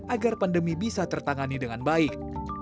agar pandemi bisa tertangani dengan baik